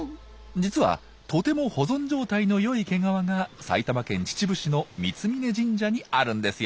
実はとても保存状態の良い毛皮が埼玉県秩父市の三峯神社にあるんですよ。